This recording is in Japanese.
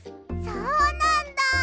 そうなんだ。